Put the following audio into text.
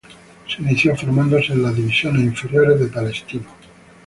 Se inició formándose en las divisiones inferiores de Palestino.